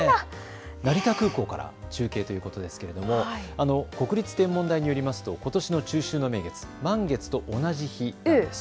成田空港から中継ということですが国立天文台によりますとことしの中秋の名月、満月と同じ日なんです。